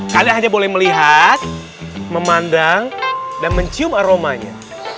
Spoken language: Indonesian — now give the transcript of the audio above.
kalian hanya boleh melihat memandang dan mencium aromanya